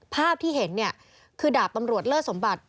ภาพที่เห็นเนี่ยคือดาบตำรวจเลิศสมบัติ